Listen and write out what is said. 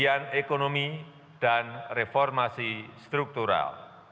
untuk mendukung ekonomi dan reformasi struktural